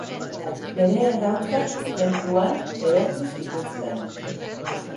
Bere errautsak tenpluan ehortzi zituzten.